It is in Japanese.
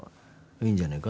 いいんじゃねえか？